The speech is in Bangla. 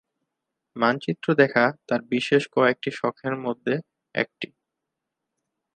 মানচিত্র দেখা তাঁর বিশেষ কয়েকটি শখের মধ্যে একটি।